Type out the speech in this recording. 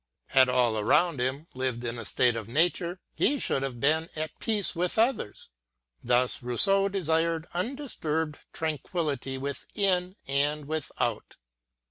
Had all around him lived in a State of Nature, he should then have been at peace with others. Thus Rousseau desired undisturbed tranquillity within and without.